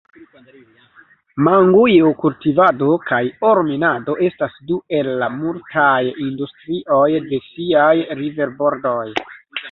Mangujo-kultivado kaj oro-minado estas du el la multaj industrioj de siaj riverbordoj.